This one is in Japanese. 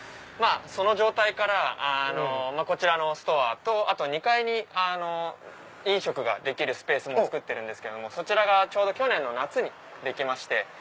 その状態からこちらのストアと２階に飲食ができるスペースも作ってるんですけれどもそちらが去年の夏に出来まして。